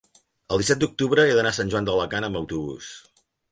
El disset d'octubre he d'anar a Sant Joan d'Alacant amb autobús.